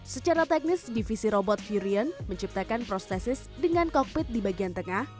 secara teknis divisi robot virience menciptakan prostesis dengan kokpit di bagian tengah